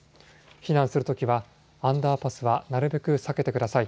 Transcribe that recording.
避難するときはアンダーパスはなるべく避けてください。